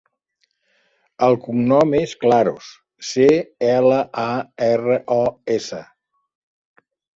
El cognom és Claros: ce, ela, a, erra, o, essa.